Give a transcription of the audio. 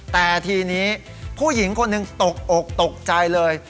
แต่ทีนี้ผู้หญิงคนหนึ่งตกอกตกใจเลย